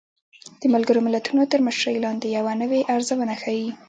د ملګرو ملتونو تر مشرۍ لاندې يوه نوې ارزونه ښيي